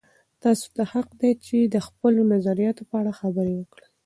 تاسې ته حق دی چې د خپلو نظریاتو په اړه خبرې وکړئ.